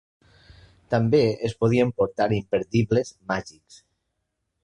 També es podien portar imperdibles "màgics".